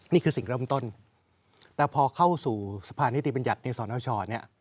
นี่คือสิ่งเริ่มต้นแต่พอเข้าสู่สะพานนิติบัญญัติในสนชเนี่ย